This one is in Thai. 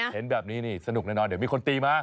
เห็นแบบนี้นี่สนุกแน่นอนเดี๋ยวมีคนตีมา